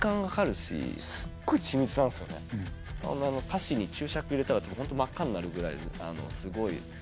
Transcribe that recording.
歌詞に注釈入れたらホント真っ赤になるぐらいすごい。